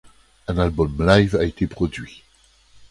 Un album live a été produit.